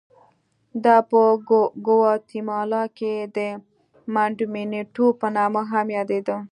دا په ګواتیمالا کې د منډامینټو په نامه هم یادېده.